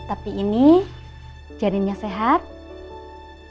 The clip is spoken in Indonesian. hai tapi ini janinnya sehat dan berhenti sama sekali sehingga harus dilakukan kuret